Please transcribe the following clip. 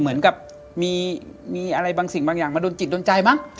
เหมือนกับมีอะไรบางสิ่งบางอย่างมาโดนจิตโดนใจมั้ง